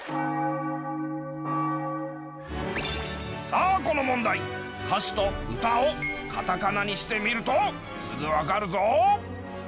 さあ、この問題、歌詞と歌をカタカナにしてみるとすぐ分かるぞ！